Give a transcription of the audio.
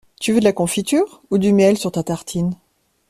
Tu veux de la confiture ou du miel sur ta tartine?